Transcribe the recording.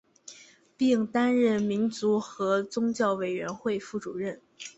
并担任民族和宗教委员会副主任。